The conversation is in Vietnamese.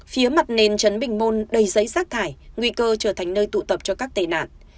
phía mặt nền chấn bình môn đầy giấy rác thải nguy cơ trở thành nơi tụ tập cho các tệ nạn